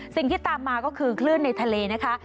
สิ่งที่ตามมาก็คือคลื่นในทะเลนะคะ